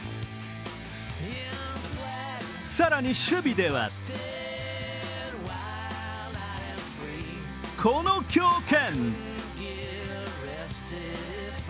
更に守備では、この強肩。